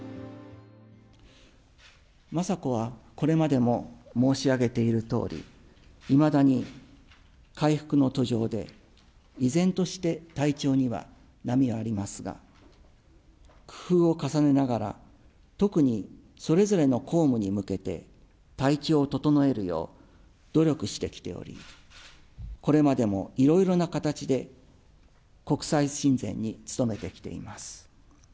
雅子は、これまでも申し上げているとおり、いまだに回復の途上で、依然として体調には波がありますが、工夫を重ねながら、特にそれぞれの公務に向けて、体調を整えるよう努力してきており、これまでもいろいろな形で国際親善に努めてきています。